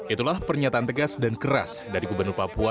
itulah pernyataan tegas dan keras dari gubernur papua